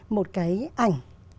một cái ảnh